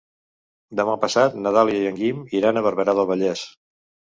Demà passat na Dàlia i en Guim iran a Barberà del Vallès.